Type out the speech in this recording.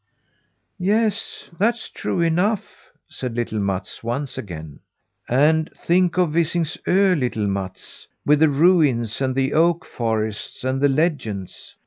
"Yes, that's true enough," said little Mats once again. "And think of Visingsö, little Mats, with the ruins and the oak forests and the legends!